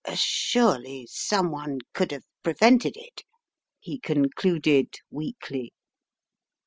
" Surely someone could have prevented it!" he con cluded weakly.